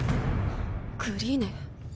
クリーネ。